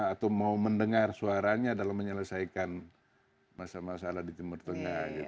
atau mau mendengar suaranya dalam menyelesaikan masalah masalah di timur tengah